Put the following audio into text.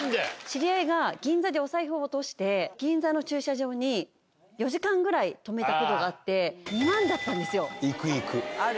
知り合いが銀座でお財布を落として、銀座の駐車場に４時間ぐらい止めたことがあって、いくいく。